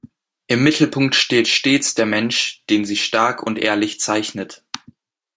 Im Mittelpunkt steht stets der Mensch, den sie stark und ehrlich zeichnet.